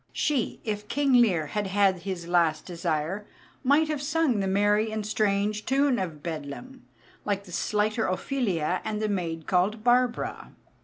She, if King Lear had had his last desire, might have sung the merry and strange tune of Bedlam, like the slighter Ophelia and the maid called Barbara.